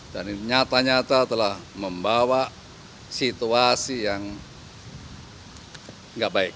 dan ini nyata nyata telah membawa situasi yang enggak baik